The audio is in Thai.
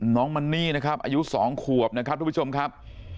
น้องมันนี่นะครับอายุ๒ขวบนะครับทุกผู้ชมครับ